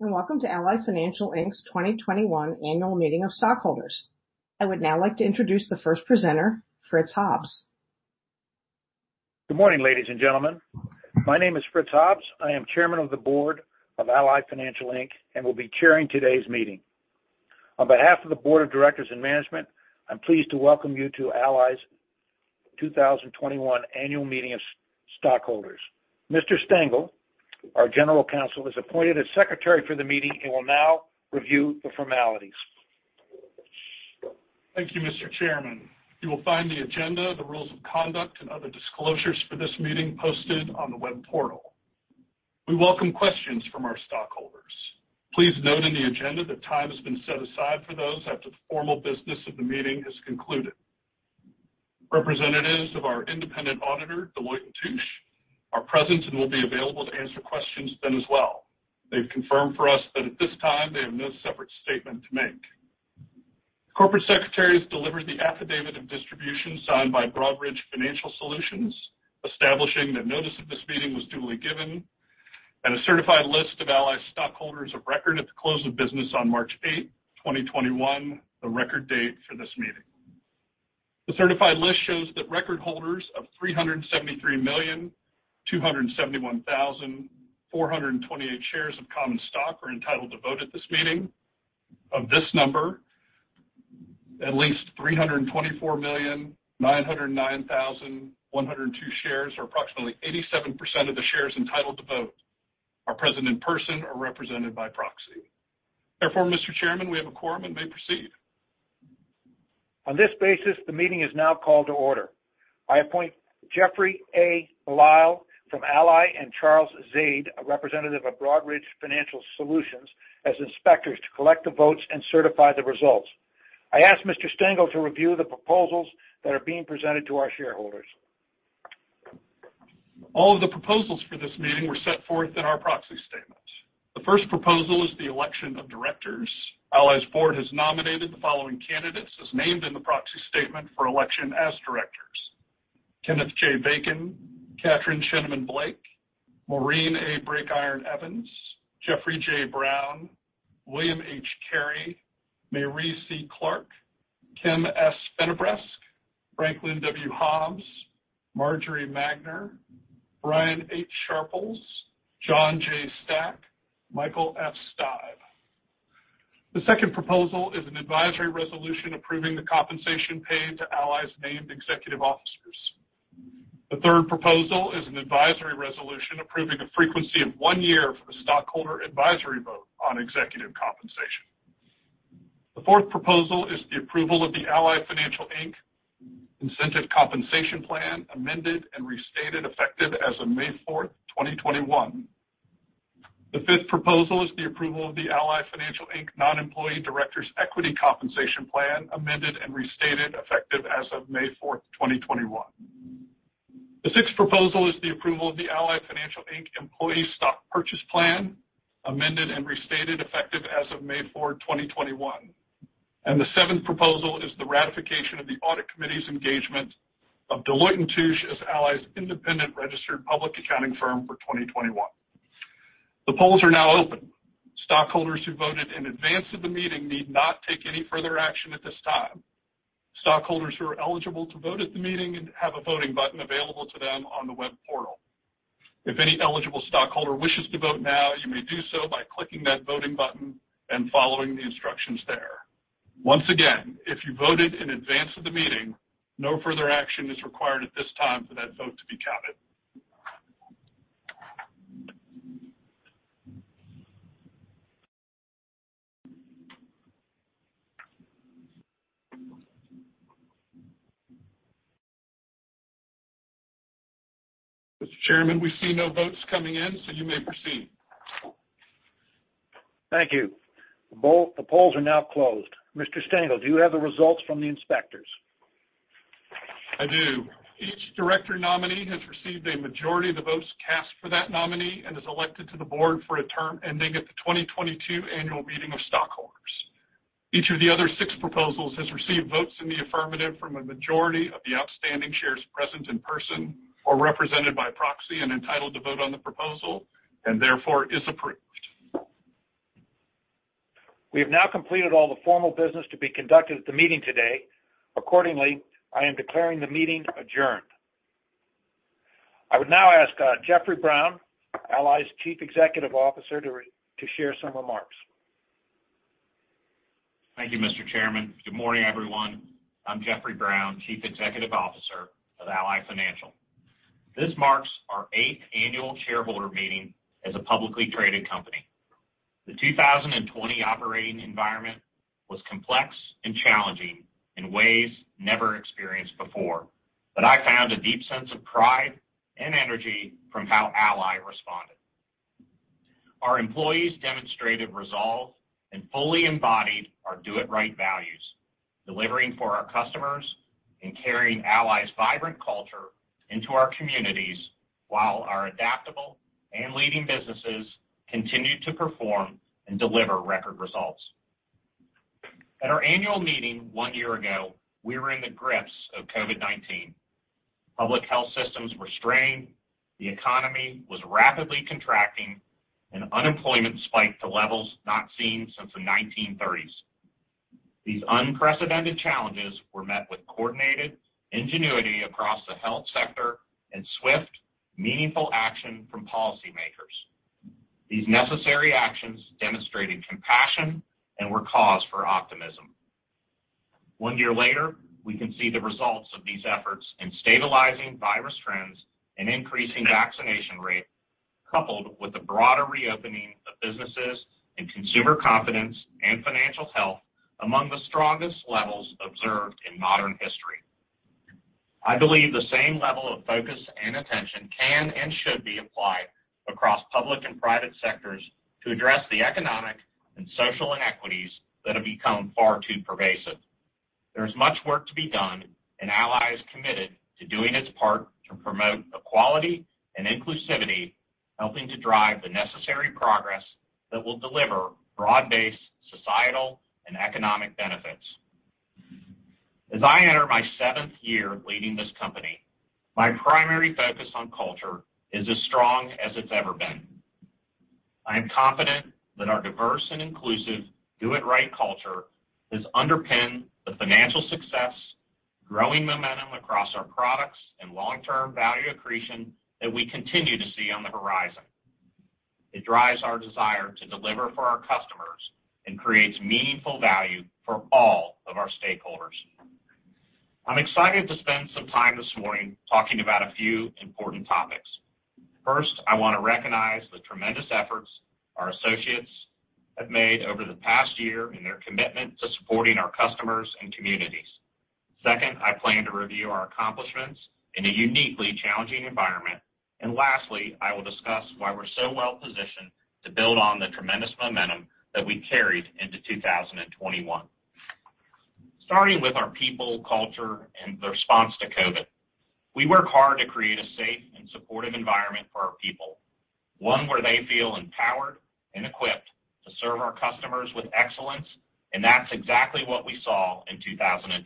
Good morning, and welcome to Ally Financial Inc.'s 2021 annual meeting of stockholders. I would now like to introduce the first presenter, Franklin Hobbs. Good morning, ladies and gentlemen. My name is Franklin Hobbs. I am Chairman of the Board of Ally Financial Inc. and will be chairing today's meeting. On behalf of the Board of Directors and management, I'm pleased to welcome you to Ally's 2021 annual meeting of stockholders. Mr. Stengel, our General Counsel, is appointed as Secretary for the meeting and will now review the formalities. Thank you, Mr. Chairman. You will find the agenda, the rules of conduct, and other disclosures for this meeting posted on the web portal. We welcome questions from our stockholders. Please note in the agenda that time has been set aside for those after the formal business of the meeting has concluded. Representatives of our independent auditor, Deloitte & Touche, are present and will be available to answer questions then as well. They've confirmed for us that at this time, they have no separate statement to make. Corporate secretaries delivered the affidavit of distribution signed by Broadridge Financial Solutions, establishing that notice of this meeting was duly given, and a certified list of Ally stockholders of record at the close of business on March 8, 2021, the record date for this meeting. The certified list shows that record holders of 373,271,428 shares of common stock are entitled to vote at this meeting. Of this number, at least 324,909,102 shares or approximately 87% of the shares entitled to vote are present in person or represented by proxy. Mr. Chairman, we have a quorum and may proceed. On this basis, the meeting is now called to order. I appoint Jeffrey A. Belisle from Ally and Charles Zeid, a representative of Broadridge Financial Solutions, as inspectors to collect the votes and certify the results. I ask Mr. Stengel to review the proposals that are being presented to our shareholders. All of the proposals for this meeting were set forth in our proxy statement. The first proposal is the election of directors. Ally's board has nominated the following candidates, as named in the proxy statement for election as directors. Kenneth J. Bacon, Katryn Shineman Blake, Maureen A. Breakiron-Evans, Jeffrey J. Brown, William H. Cary, Mayree C. Clark, Kim S. Fennebresque, Franklin W. Hobbs, Marjorie Magner, Brian H. Sharples, John J. Stack, Michael F. Steib. The second proposal is an advisory resolution approving the compensation paid to Ally's named executive officers. The third proposal is an advisory resolution approving a frequency of one year for the stockholder advisory vote on executive compensation. The fourth proposal is the approval of the Ally Financial Inc. Incentive Compensation Plan amended and restated effective as of May 4th, 2021. The fifth proposal is the approval of the Ally Financial Inc. Non-Employee Directors' Equity Compensation Plan amended and restated effective as of May 4th, 2021. The sixth proposal is the approval of the Ally Financial Inc. Employee Stock Purchase Plan amended and restated effective as of May 4th, 2021. The seventh proposal is the ratification of the audit committee's engagement of Deloitte & Touche as Ally's independent registered public accounting firm for 2021. The polls are now open. Stockholders who voted in advance of the meeting need not take any further action at this time. Stockholders who are eligible to vote at the meeting have a voting button available to them on the web portal. If any eligible stockholder wishes to vote now, you may do so by clicking that voting button and following the instructions there. Once again, if you voted in advance of the meeting, no further action is required at this time for that vote to be counted. Mr. Chairman, we see no votes coming in. You may proceed. Thank you. The polls are now closed. Mr. Stengel, do you have the results from the inspectors? I do. Each director nominee has received a majority of the votes cast for that nominee and is elected to the board for a term ending at the 2022 annual meeting of stockholders. Each of the other six proposals has received votes in the affirmative from a majority of the outstanding shares present in person or represented by proxy and entitled to vote on the proposal and therefore is approved. We have now completed all the formal business to be conducted at the meeting today. Accordingly, I am declaring the meeting adjourned. I would now ask Jeffrey Brown, Ally's Chief Executive Officer, to share some remarks. Thank you, Mr. Chairman. Good morning, everyone. I'm Jeffrey Brown, Chief Executive Officer of Ally Financial. This marks our eighth annual shareholder meeting as a publicly traded company. The 2020 operating environment was complex and challenging in ways never experienced before. I found a deep sense of pride and energy from how Ally responded. Our employees demonstrated resolve and fully embodied our Do It Right values, delivering for our customers and carrying Ally's vibrant culture into our communities while our adaptable and leading businesses continued to perform and deliver record results. At our annual meeting one year ago, we were in the grips of COVID-19. Public health systems were strained, the economy was rapidly contracting, and unemployment spiked to levels not seen since the 1930s. These unprecedented challenges were met with coordinated ingenuity across the health sector and swift, meaningful action from policymakers. These necessary actions demonstrated compassion and were cause for optimism. One year later, we can see the results of these efforts in stabilizing virus trends and increasing vaccination rates, coupled with the broader reopening of businesses and consumer confidence and financial health among the strongest levels observed in modern history. I believe the same level of focus and attention can and should be applied across public and private sectors to address the economic and social inequities that have become far too pervasive. There is much work to be done, and Ally is committed to doing its part to promote equality and inclusivity, helping to drive the necessary progress that will deliver broad-based societal and economic benefits. As I enter my seventh year leading this company, my primary focus on culture is as strong as it's ever been. I am confident that our diverse and inclusive Do It Right culture has underpinned the financial success, growing momentum across our products, and long-term value accretion that we continue to see on the horizon. It drives our desire to deliver for our customers and creates meaningful value for all of our stakeholders. I'm excited to spend some time this morning talking about a few important topics. First, I want to recognize the tremendous efforts our associates have made over the past year in their commitment to supporting our customers and communities. Second, I plan to review our accomplishments in a uniquely challenging environment. Lastly, I will discuss why we're so well-positioned to build on the tremendous momentum that we carried into 2021. Starting with our people, culture, and the response to COVID. We work hard to create a safe and supportive environment for our people, one where they feel empowered and equipped to serve our customers with excellence, and that's exactly what we saw in 2020.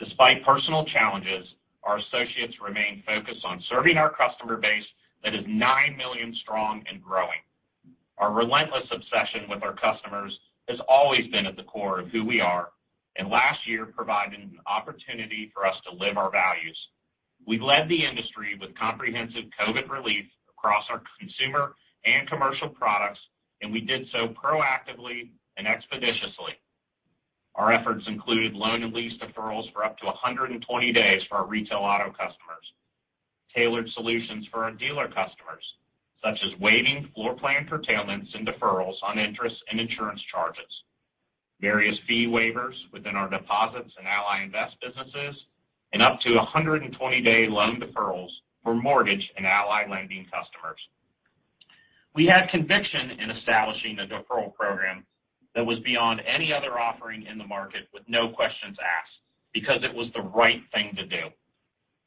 Despite personal challenges, our associates remain focused on serving our customer base that is 9 million strong and growing. Our relentless obsession with our customers has always been at the core of who we are, and last year provided an opportunity for us to live our values. We led the industry with comprehensive COVID relief across our consumer and commercial products, and we did so proactively and expeditiously. Our efforts included loan and lease deferrals for up to 120 days for our retail auto customers. Tailored solutions for our dealer customers, such as waiving floor plan curtailments and deferrals on interest and insurance charges. Various fee waivers within our deposits and Ally Invest businesses, and up to 120-day loan deferrals for mortgage and Ally Lending customers. We had conviction in establishing a deferral program that was beyond any other offering in the market with no questions asked because it was the right thing to do.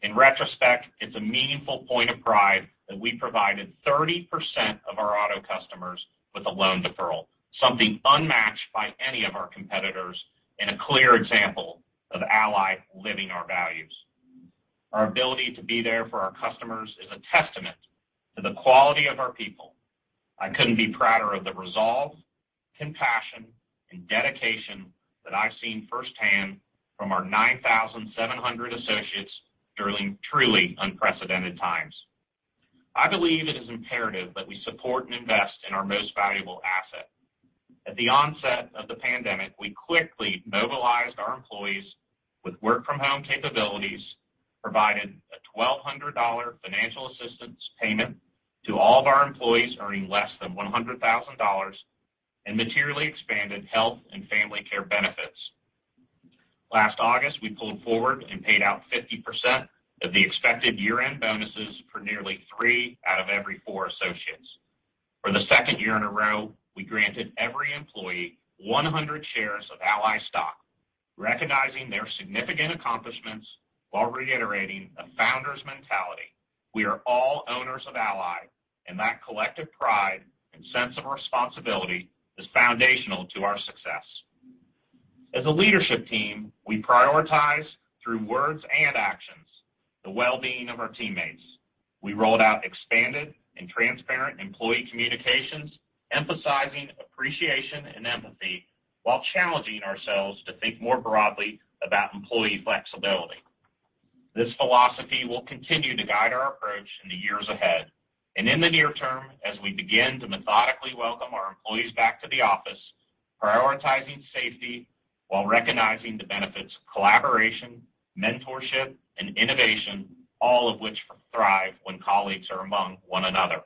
In retrospect, it's a meaningful point of pride that we provided 30% of our auto customers with a loan deferral, something unmatched by any of our competitors and a clear example of Ally living our values. Our ability to be there for our customers is a testament to the quality of our people. I couldn't be prouder of the resolve, compassion, and dedication that I've seen firsthand from our 9,700 associates during truly unprecedented times. I believe it is imperative that we support and invest in our most valuable asset. At the onset of the pandemic, we quickly mobilized our employees with work-from-home capabilities, provided a $1,200 financial assistance payment to all of our employees earning less than $100,000, and materially expanded health and family care benefits. Last August, we pulled forward and paid out 50% of the expected year-end bonuses for nearly three out of every four associates. For the second year in a row, we granted every employee 100 shares of Ally stock, recognizing their significant accomplishments while reiterating a founder's mentality. We are all owners of Ally, and that collective pride and sense of responsibility is foundational to our success. As a leadership team, we prioritize through words and actions the well-being of our teammates. We rolled out expanded and transparent employee communications, emphasizing appreciation and empathy while challenging ourselves to think more broadly about employee flexibility. This philosophy will continue to guide our approach in the years ahead. In the near term, as we begin to methodically welcome our employees back to the office, prioritizing safety while recognizing the benefits of collaboration, mentorship, and innovation, all of which thrive when colleagues are among one another.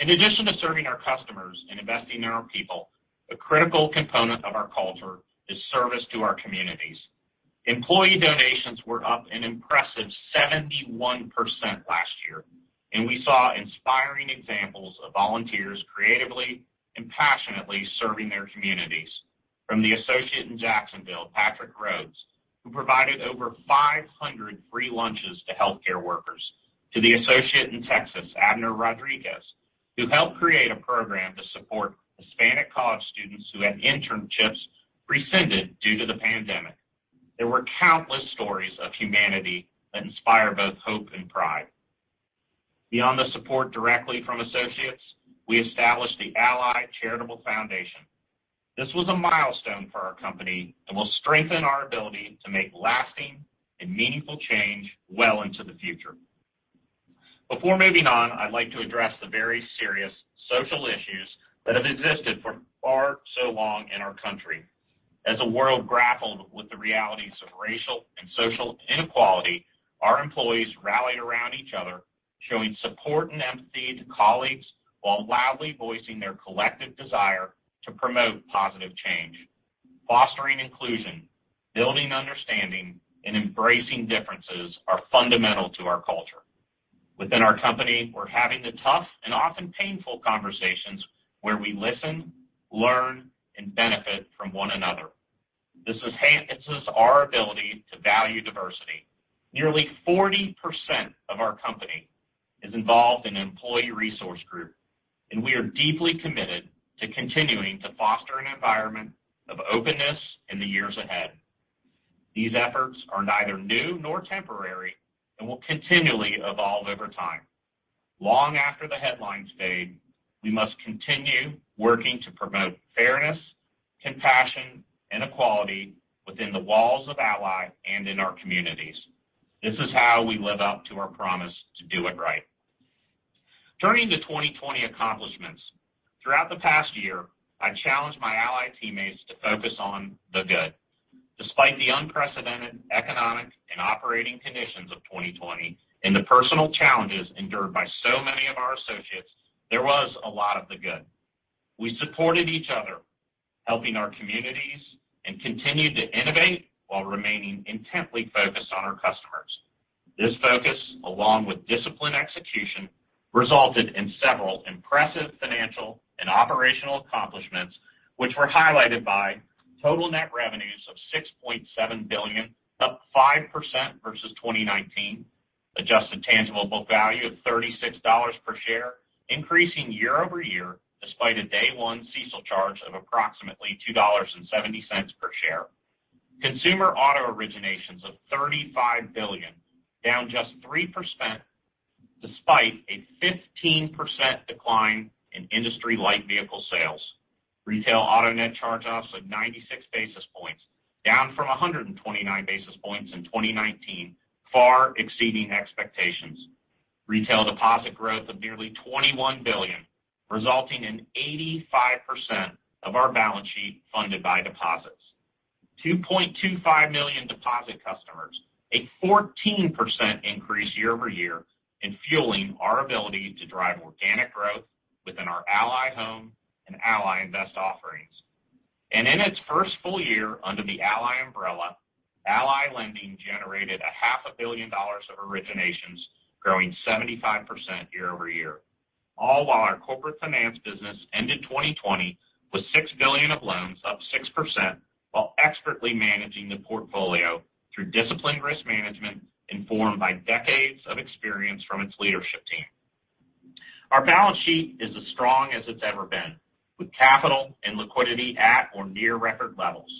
In addition to serving our customers and investing in our people, a critical component of our culture is service to our communities. Employee donations were up an impressive 71% last year, and we saw inspiring examples of volunteers creatively and passionately serving their communities. From the Associate in Jacksonville, Patrick Rhodes, who provided over 500 free lunches to healthcare workers. To the Associate in Texas, Abner Rodriguez, who helped create a program to support Hispanic college students who had internships rescinded due to the pandemic. There were countless stories of humanity that inspire both hope and pride. Beyond the support directly from associates, we established the Ally Charitable Foundation. This was a milestone for our company, and will strengthen our ability to make lasting and meaningful change well into the future. Before moving on, I'd like to address the very serious social issues that have existed for far so long in our country. As the world grappled with the realities of racial and social inequality, our employees rallied around each other, showing support and empathy to colleagues, while loudly voicing their collective desire to promote positive change. Fostering inclusion, building understanding, and embracing differences are fundamental to our culture. Within our company, we're having the tough and often painful conversations where we listen, learn, and benefit from one another. This enhances our ability to value diversity. Nearly 40% of our company is involved in an employee resource group, and we are deeply committed to continuing to foster an environment of openness in the years ahead. These efforts are neither new nor temporary, and will continually evolve over time. Long after the headlines fade, we must continue working to promote fairness, compassion, and equality within the walls of Ally and in our communities. This is how we live up to our promise to Do It Right. Turning to 2020 accomplishments. Throughout the past year, I challenged my Ally teammates to focus on the good. Despite the unprecedented economic and operating conditions of 2020 and the personal challenges endured by so many of our associates, there was a lot of the good. We supported each other, helping our communities, and continued to innovate while remaining intently focused on our customers. This focus, along with disciplined execution, resulted in several impressive financial and operational accomplishments, which were highlighted by total net revenues of $6.7 billion, up 5% versus 2019. Adjusted tangible book value of $36 per share, increasing year-over-year despite a Day-One CECL charge of approximately $2.70 per share. Consumer auto originations of $35 billion, down just 3% despite a 15% decline in industry light vehicle sales. Retail auto net charge-offs of 96 basis points, down from 129 basis points in 2019, far exceeding expectations. Retail deposit growth of nearly $21 billion, resulting in 85% of our balance sheet funded by deposits. 2.25 million deposit customers, a 14% increase year-over-year, and fueling our ability to drive organic growth within our Ally Home and Ally Invest offerings. In its first full year under the Ally umbrella, Ally Lending generated a half a billion dollars of originations growing 75% year-over-year. All while our corporate finance business ended 2020 with $6 billion of loans, up 6%, while expertly managing the portfolio through disciplined risk management informed by decades of experience from its leadership team. Our balance sheet is as strong as it's ever been with capital and liquidity at or near record levels.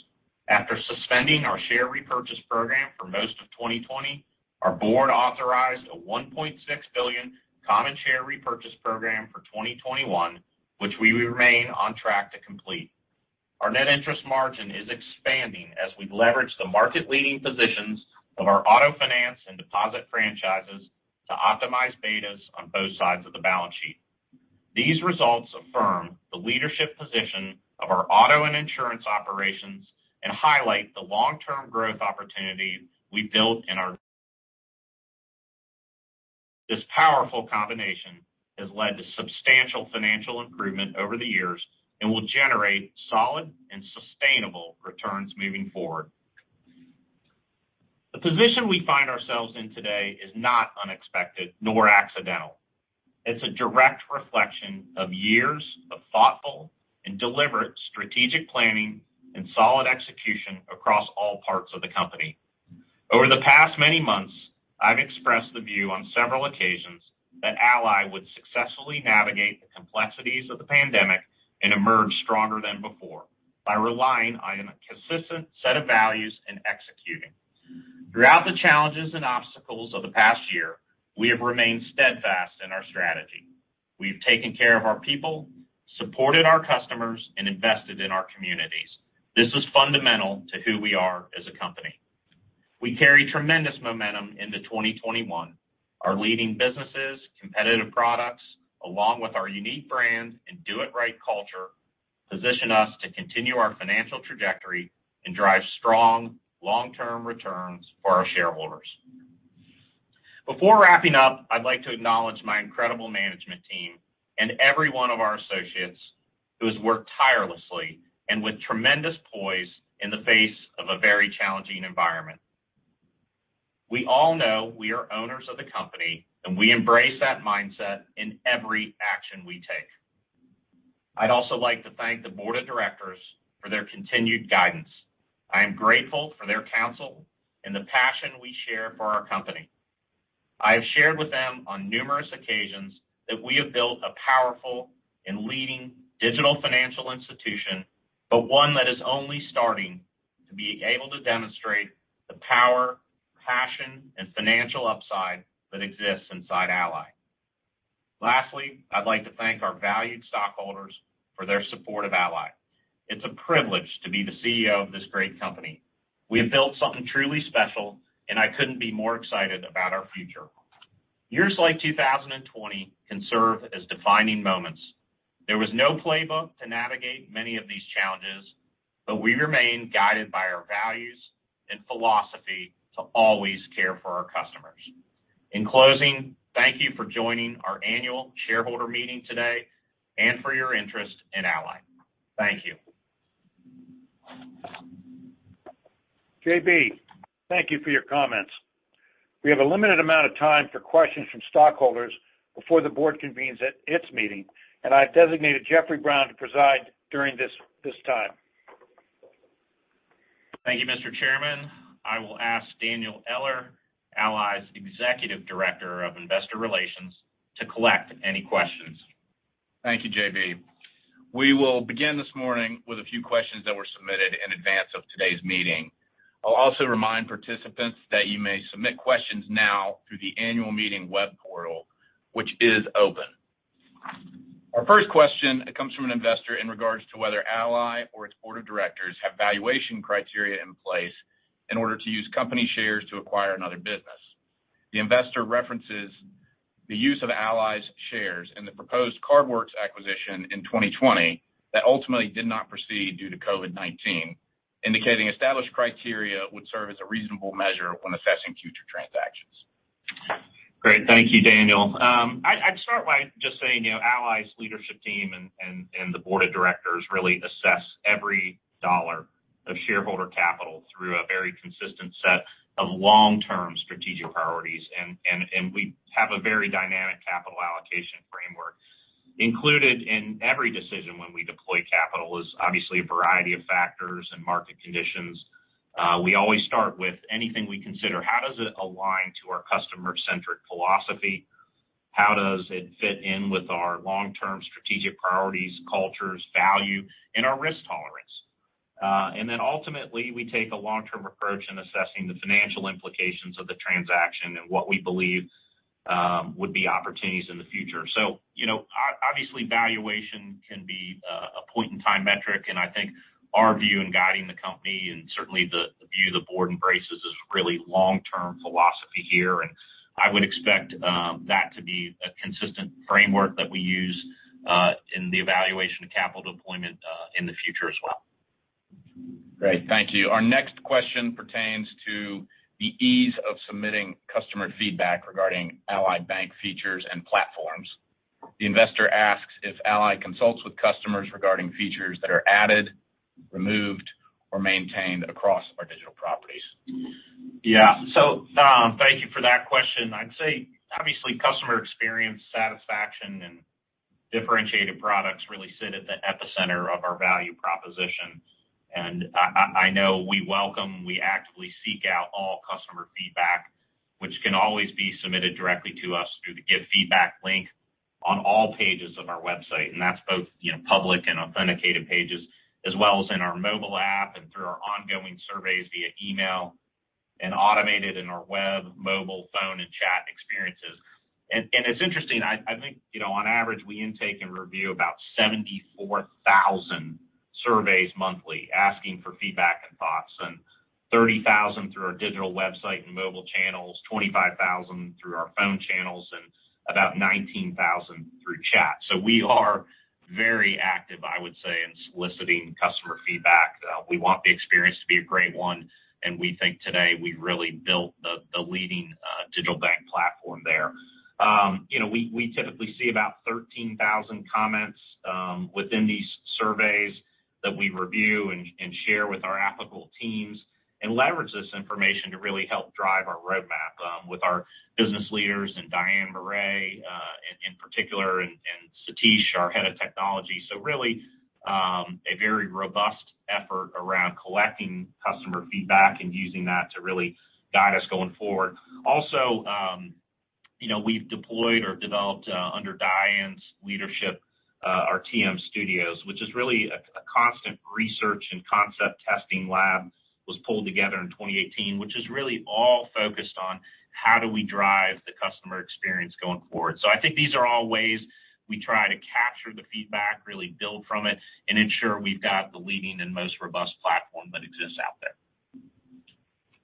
After suspending our share repurchase program for most of 2020, our board authorized a $1.6 billion common share repurchase program for 2021, which we remain on track to complete. Our net interest margin is expanding as we leverage the market-leading positions of our auto finance and deposit franchises to optimize betas on both sides of the balance sheet. These results affirm the leadership position of our auto and insurance operations and highlight the long-term growth opportunities we've built in our. This powerful combination has led to substantial financial improvement over the years and will generate solid and sustainable returns moving forward. The position we find ourselves in today is not unexpected nor accidental. It's a direct reflection of years of thoughtful and deliberate strategic planning and solid execution across all parts of the company. Over the past many months, I've expressed the view on several occasions that Ally would successfully navigate the complexities of the pandemic and emerge stronger than before by relying on a consistent set of values and executing. Throughout the challenges and obstacles of the past year, we have remained steadfast in our strategy. We've taken care of our people, supported our customers, and invested in our communities. This is fundamental to who we are as a company. We carry tremendous momentum into 2021. Our leading businesses, competitive products, along with our unique brand and Do It Right culture, position us to continue our financial trajectory and drive strong long-term returns for our shareholders. Before wrapping up, I'd like to acknowledge my incredible management team and every one of our associates who has worked tirelessly and with tremendous poise in the face of a very challenging environment. We all know we are owners of the company, and we embrace that mindset in every action we take. I'd also like to thank the board of directors for their continued guidance. I am grateful for their counsel and the passion we share for our company. I have shared with them on numerous occasions that we have built a powerful and leading digital financial institution, but one that is only starting to be able to demonstrate the power, passion, and financial upside that exists inside Ally. Lastly, I'd like to thank our valued stockholders for their support of Ally. It's a privilege to be the CEO of this great company. We have built something truly special, and I couldn't be more excited about our future. Years like 2020 can serve as defining moments. There was no playbook to navigate many of these challenges, but we remain guided by our values and philosophy to always care for our customers. In closing, thank you for joining our annual shareholder meeting today and for your interest in Ally. Thank you. JB, thank you for your comments. We have a limited amount of time for questions from stockholders before the board convenes at its meeting, and I've designated Jeffrey Brown to preside during this time. Thank you, Mr. Chairman. I will ask Daniel Eller, Ally's Executive Director of Investor Relations, to collect any questions. Thank you, JB. We will begin this morning with a few questions that were submitted in advance of today's meeting. I'll also remind participants that you may submit questions now through the annual meeting web portal, which is open. Our first question comes from an investor in regards to whether Ally or its board of directors have valuation criteria in place in order to use company shares to acquire another business. The investor references the use of Ally's shares in the proposed CardWorks acquisition in 2020 that ultimately did not proceed due to COVID-19, indicating established criteria would serve as a reasonable measure when assessing future transactions. Great. Thank you, Daniel. I'd start by just saying Ally's leadership team and the board of directors really assess every dollar of shareholder capital through a very consistent set of long-term strategic priorities. We have a very dynamic capital allocation framework. Included in every decision when we deploy capital is obviously a variety of factors and market conditions. We always start with anything we consider, how does it align to our customer-centric philosophy? How does it fit in with our long-term strategic priorities, cultures, value, and our risk tolerance? Ultimately, we take a long-term approach in assessing the financial implications of the transaction and what we believe would be opportunities in the future. Obviously, valuation can be a point-in-time metric, and I think our view in guiding the company and certainly the view the board embraces is really long-term philosophy here. I would expect that to be a consistent framework that we use in the evaluation of capital deployment in the future as well. Great. Thank you. Our next question pertains to the ease of submitting customer feedback regarding Ally Bank features and platforms. The investor asks if Ally consults with customers regarding features that are added, removed, or maintained across our digital properties. Yeah. Thank you for that question. I'd say obviously customer experience satisfaction and differentiated products really sit at the epicenter of our value proposition. I know we welcome, we actively seek out all customer feedback, which can always be submitted directly to us through the Give Feedback link on all pages of our website, and that's both public and authenticated pages, as well as in our mobile app and through our ongoing surveys via email and automated in our web, mobile, phone, and chat experiences. It's interesting. I think on average, we intake and review about 74,000 surveys monthly asking for feedback and thoughts, and 30,000 through our digital website and mobile channels, 25,000 through our phone channels, and about 19,000 through chat. We are very active, I would say, in soliciting customer feedback. We want the experience to be a great one, and we think today we've really built the leading digital bank platform there. We typically see about 13,000 comments within these surveys that we review and share with our applicable teams and leverage this information to really help drive our roadmap with our business leaders and Diane Morais in particular and Sathish Muthukrishnan, our head of technology. Really, a very robust effort around collecting customer feedback and using that to really guide us going forward. Also, we've deployed or developed under Diane's leadership our TM Studios, which is really a constant research and concept testing lab, was pulled together in 2018, which is really all focused on how do we drive the customer experience going forward. I think these are all ways we try to capture the feedback, really build from it, and ensure we've got the leading and most robust platform that exists out there.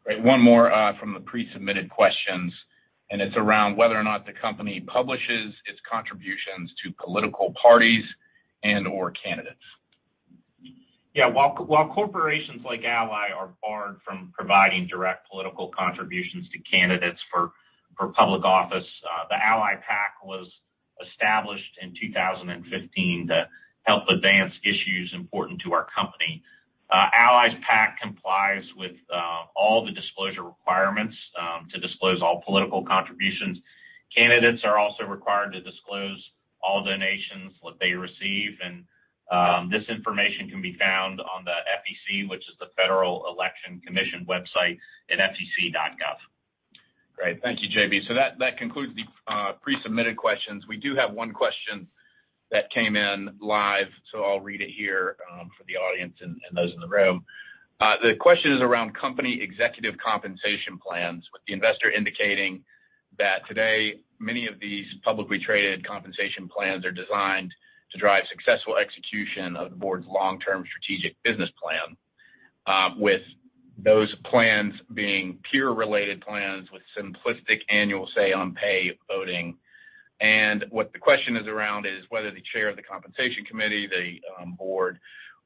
Great. One more from the pre-submitted questions, and it's around whether or not the company publishes its contributions to political parties and/or candidates. Yeah. While corporations like Ally are barred from providing direct political contributions to candidates for public office. Ally's PAC, established in 2015 to help advance issues important to our company, complies with all the disclosure requirements to disclose all political contributions. Candidates are also required to disclose all donations that they receive, and this information can be found on the FEC, which is the Federal Election Commission website at fec.gov. Great. Thank you, JB. That concludes the pre-submitted questions. We do have one question that came in live, so I'll read it here for the audience and those in the room. The question is around company executive compensation plans, with the investor indicating that today, many of these publicly traded compensation plans are designed to drive successful execution of the board's long-term strategic business plan, with those plans being peer-related plans with simplistic annual Say on Pay voting. What the question is around is whether the chair of the compensation committee, the board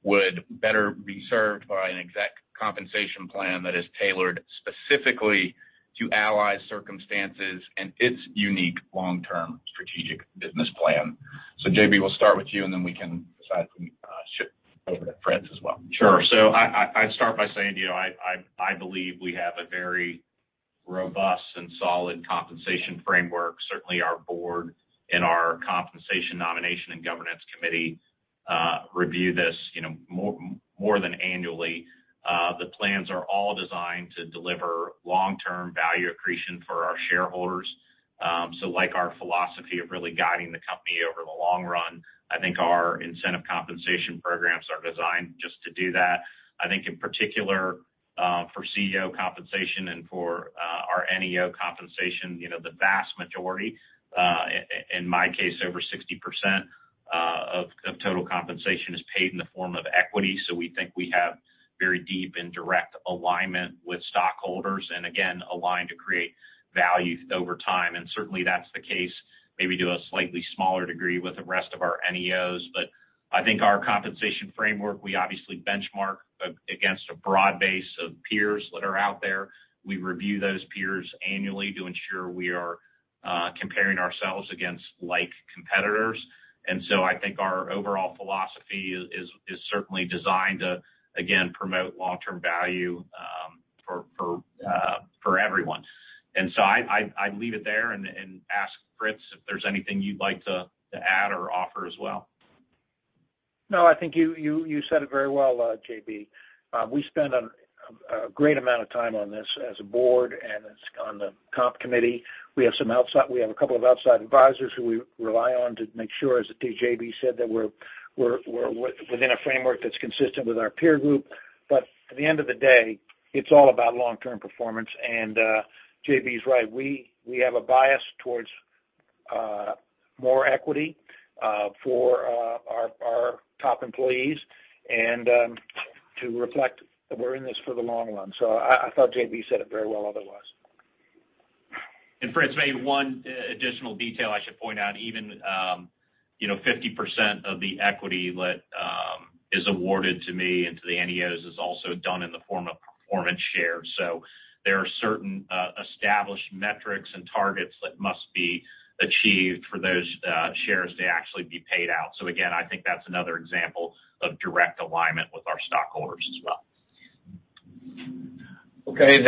would better be served by an exec compensation plan that is tailored specifically to Ally's circumstances and its unique long-term strategic business plan. JB, we'll start with you, and then we can decide if we shift over to Franklin W. Hobbs as well. Sure. I'd start by saying, I believe we have a very robust and solid compensation framework. Certainly, our board and our compensation nomination and governance committee review this more than annually. The plans are all designed to deliver long-term value accretion for our shareholders. Like our philosophy of really guiding the company over the long run, I think our incentive compensation programs are designed just to do that. I think, in particular, for CEO compensation and for our NEO compensation, the vast majority, in my case, over 60% of total compensation is paid in the form of equity. We think we have very deep and direct alignment with stockholders, and again, aligned to create value over time. Certainly, that's the case maybe to a slightly smaller degree with the rest of our NEOs. I think our compensation framework, we obviously benchmark against a broad base of peers that are out there. We review those peers annually to ensure we are comparing ourselves against like competitors. I think our overall philosophy is certainly designed to, again, promote long-term value for everyone. I leave it there and ask Franklin Hobbs if there's anything you'd like to add or offer as well. No, I think you said it very well, JB. We spend a great amount of time on this as a board and on the comp committee. We have a couple of outside advisors who we rely on to make sure, as JB said, that we're within a framework that's consistent with our peer group. At the end of the day, it's all about long-term performance. JB's right. We have a bias towards more equity for our top employees and to reflect that we're in this for the long run. I thought JB said it very well otherwise. Franklin Hobbs, maybe one additional detail I should point out, even 50% of the equity that is awarded to me and to the NEOs is also done in the form of performance shares. There are certain established metrics and targets that must be achieved for those shares to actually be paid out. Again, I think that's another example of direct alignment with our stockholders as well. Okay.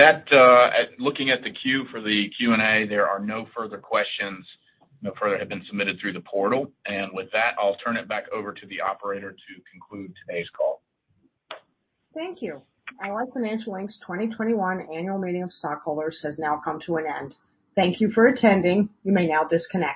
Looking at the queue for the Q&A, there are no further questions. No further have been submitted through the portal. With that, I'll turn it back over to the operator to conclude today's call. Thank you. Ally Financial Inc.'s 2021 annual meeting of stockholders has now come to an end. Thank you for attending. You may now disconnect.